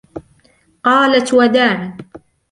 قالت وداعا.